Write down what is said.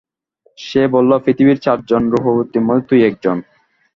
সে বলল, পৃথিবীর চারজন রূপবতীর মধ্যে তুই একজন।